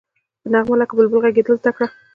په نغمه لکه بلبل غږېدل زده کړه.